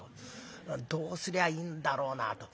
どうすりゃいいんだろうなと。